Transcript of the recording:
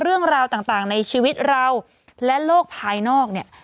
เรื่องราวต่างในชีวิตเราและโลกภายนอกเนี่ย